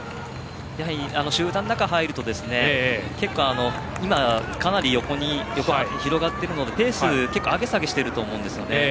集団の中に入ると今、かなり横に広がっているのでペース、結構上げ下げしていると思うんですよね。